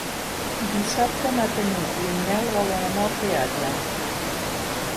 Dissabte na Tanit i en Nel volen anar al teatre.